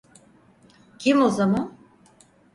Kim o zaman?